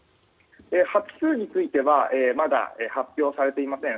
発数についてはまだ発表されていません。